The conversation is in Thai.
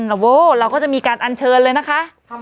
โอ้โหเราก็จะมีการอัญเชิญเลยนะคะ